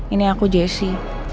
ini aku jessi